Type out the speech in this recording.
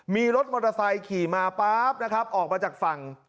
มีรถมอเตอร์ไซค์ขี่มาป๊าบนะครับออกมาจากฝั่ง